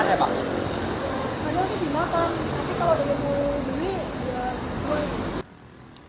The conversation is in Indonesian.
emang dimakan tapi kalau ada yang mau juri ya dikulit